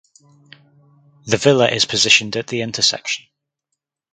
The villa is positioned at the intersection.